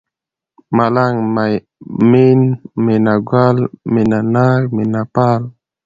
ملنگ ، مين ، مينه گل ، مينه ناک ، مينه پال